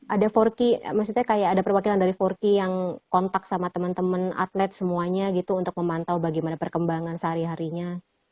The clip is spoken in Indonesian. ada empati maksudnya kayak ada perwakilan dari forky yang kontak sama teman teman atlet semuanya gitu untuk memantau bagaimana perkembangan sehari harinya